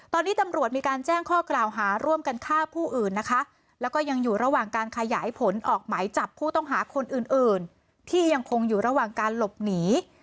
ตอนนี้ตำรวจมีการแจ้งข้อกล่าวหาร่วมกันฆ่าผู้อื่นนะคะแล้วก็ยังอยู่ระหว่างการขยายผลออกไหมจับผู้ต้องหาคนอื่นอื่นที่ยังคงอยู่ระหว่างการหลบหนี